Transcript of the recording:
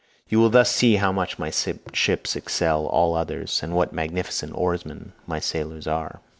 You will thus see how much my ships excel all others, and what magnificent oarsmen my sailors are."